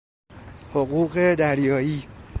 حقوق دریایی